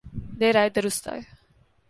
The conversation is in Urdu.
دیر آید درست آید۔